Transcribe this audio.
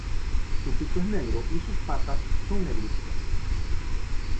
Su pico es negro y sus patas son negruzcas.